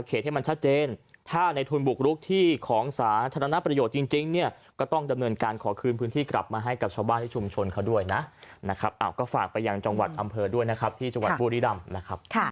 เดือดร้อนกันจริงทำเป็นเดือดร้อนว่าไม่ออกมาอย่างนี้หรอก